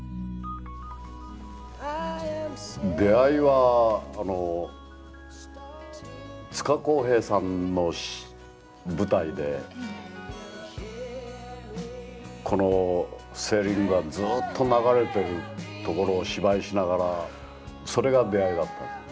出会いはつかこうへいさんの舞台でこの「セイリング」がずっと流れてるところを芝居しながらそれが出会いだった。